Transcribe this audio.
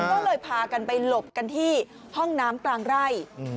ก็เลยพากันไปหลบกันที่ห้องน้ำกลางไร่